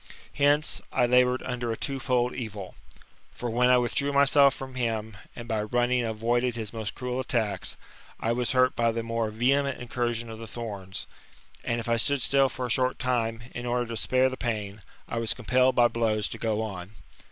Hence, I laboured under a two fold evil. For when I withdrew myself from him, and by running avoided his most cruel attacks, I was hurt by the more vehement incursion of the thorns : and if I stood still for a short time, in order to spare the pain, I was compelled by blows to go on.